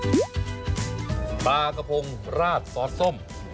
ปลากระพงราดซอสส้ม